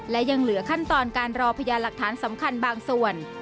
และยังเหลือขั้นตอนการรอพยานหลักฐานสำคัญบางส่วน